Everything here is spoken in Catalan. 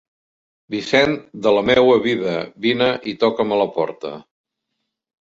Vicent de la meua vida, vine i toca’m a la porta!